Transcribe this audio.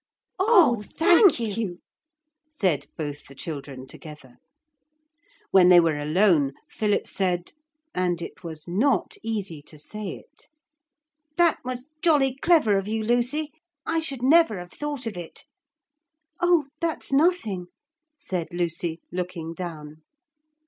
'Oh, thank you!' said both the children together. When they were alone, Philip said and it was not easy to say it: 'That was jolly clever of you, Lucy. I should never have thought of it.' 'Oh, that's nothing,' said Lucy, looking down.